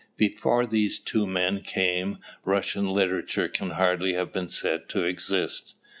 Before these two men came Russian literature can hardly have been said to exist.